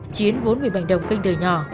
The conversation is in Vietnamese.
chiến vốn bị bệnh đồng kinh đời nhỏ